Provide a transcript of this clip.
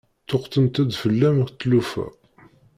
Ṭṭuqqtent-d fell-am tlufa.